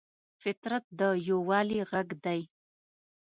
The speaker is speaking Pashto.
فطرت د یووالي غږ دی.